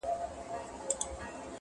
د خدای کار وو هلکان دواړه لویان سوه,